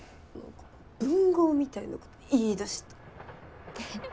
文豪みたいなこと言いだした。